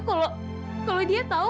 kalau dia tau